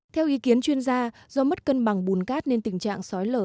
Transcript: theo ý kiến chuyên gia do mất cân bằng bùn cát nên tình trạng sói lở